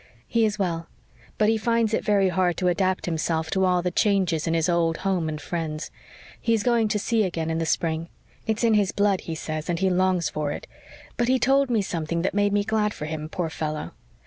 "He is well, but he finds it very hard to adapt himself to all the changes in his old home and friends. He is going to sea again in the spring. It's in his blood, he says, and he longs for it. But he told me something that made me glad for him, poor fellow.